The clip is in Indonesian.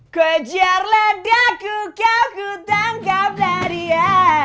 kejar ledaku kau ku tangkap nari ya